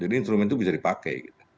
jadi instrumen itu bisa dipakai